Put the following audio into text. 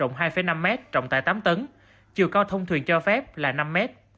rộng hai năm mét rộng tại tám tấn chiều cao thông thuyền cho phép là năm mét